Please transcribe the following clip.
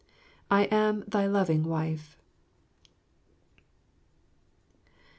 I am thy loving wife.